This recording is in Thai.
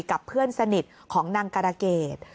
กับเพื่อนสนิทของนางการะเกด